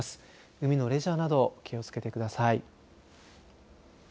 海のレジャーなど気をつけてください。